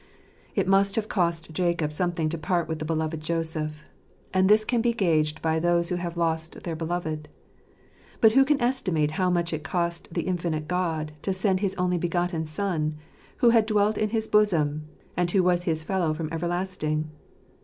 It must have cost Jacob something to part with the beloved Joseph : and this can be gauged by those who have lost their beloved. But who can estimate how much it cost the Infinite God to send his only begotten Son, who had dwelt in his bosom, and who was his Fellow from everlast ing?